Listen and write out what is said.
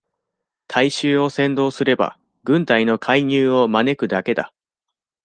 大衆を扇動すれば、軍隊の介入を招くだけだ。